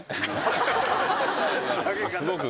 すごく。